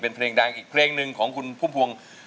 เป็นเพลงดังอีกเพลงหนึ่งของคุณพุ่มพวง